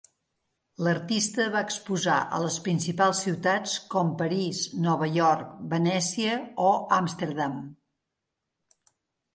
L'artista va exposar a les principals ciutats com París, Nova York, Venècia o Amsterdam.